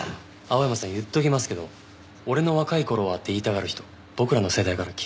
青山さん言っておきますけど「俺の若い頃は」って言いたがる人僕らの世代から嫌われますよ。